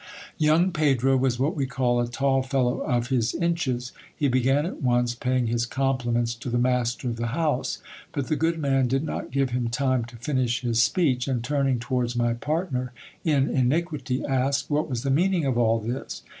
Young Pedro was what we call a tall fellow of his inches. He began at once paying his compliments to the master of the house ; but the good man did not give him time to finish his speech ; and turning towards my partner in iniquity, asked what was the meaning of all this.